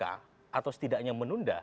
atau setidaknya menunda